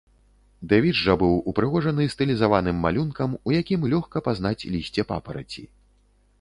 Дэвіз жа быў упрыгожаны стылізаваным малюнкам, у якім лёгка пазнаць лісце папараці.